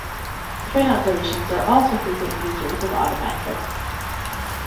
Train operations are also frequent users of odometrics.